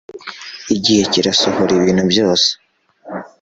igihe kirasohora ibintu byose